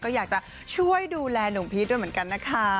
ก็อยากจะช่วยดูแลหนุ่มพีชด้วยเหมือนกันนะคะ